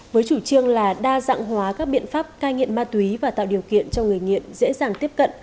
với chủ trương là đa dạng hóa các biện pháp cai nghiện ma túy và tạo điều kiện cho người nghiện dễ dàng tiếp cận